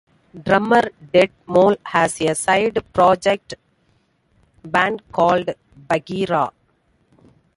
Drummer Ted Moll has a side project band called Bagheera.